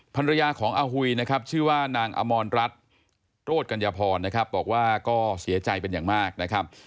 ภรรยาของอาหุยนะครับชื่อว่านางอมรรัฐโรธกัญญาพรนะครับบอกว่าก็เสียใจเป็นอย่างมากนะครับ